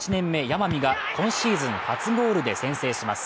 山見が今シーズン初ゴールで先制します。